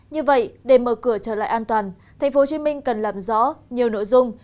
như vậy để mở cửa trở lại an toàn tp hcm cần làm rõ nhiều nội dung